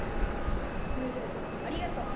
ムールありがとう。